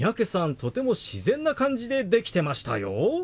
とても自然な感じでできてましたよ。